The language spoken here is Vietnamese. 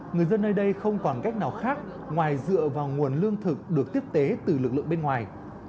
người dân nơi đây không còn cách nào khác ngoài dựa vào nguồn lương thực được tiếp tế từ lực lượng bên ngoài